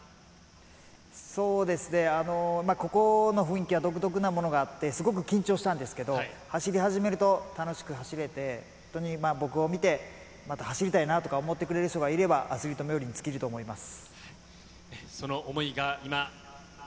そうですね、ここの雰囲気は独特なものがあって、すごく緊張したんですけど、走り始めると、楽しく走れて、本当に僕を見て、また走りたいなとか思ってくれる人がいれば、アスリートみょうりに尽きると思います。